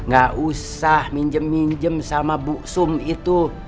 gak usah minjem minjem sama buksum itu